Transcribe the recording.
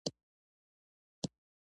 پنېر د ذهن فعالیت زیاتوي.